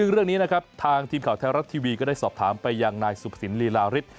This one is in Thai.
เรื่องนี้ทางทีมเฉากคาวแทนรัฐทีวีก็ได้สอบถามไปอย่างนายศุภิษฎินลีลาริส